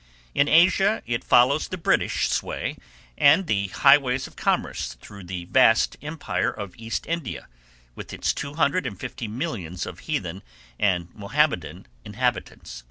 In Asia it follows the British sway and the highways of commerce through the vast empire of East India with its two hundred and fifty millions of heathen and Mohammedan inhabitants.